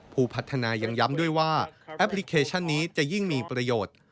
ผู้พัฒนายังย้ำด้วยว่าแอปพลิเคชันนี้จะยิ่งมีประโยชน์